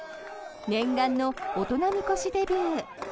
念願の大人みこしデビュー。